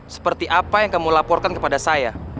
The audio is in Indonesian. seperti apa yang kamu laporkan kepada saya